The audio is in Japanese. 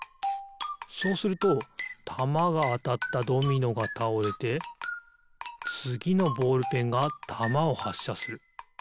そうするとたまがあたったドミノがたおれてつぎのボールペンがたまをはっしゃする。